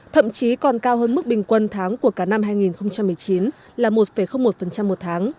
thậm chí còn cao hơn mức bình quân tháng của cả năm hai nghìn một mươi chín là một một tháng